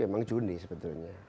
emang juni sebetulnya